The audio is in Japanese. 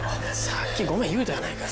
さっき「ごめん」言うたやないか。